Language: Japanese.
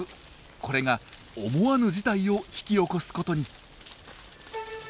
これが思わぬ事態を引き起こすことに。